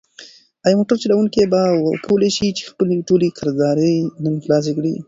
ایا موټر چلونکی به وکولی شي چې خپلې ټولې قرضدارۍ نن خلاصې کړي؟